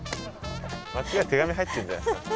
間違えて手紙入ってるんじゃないんですか？